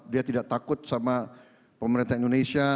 dia tidak takut sama pemerintah indonesia